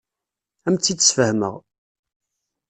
Ad am-tt-id-sfehmeɣ.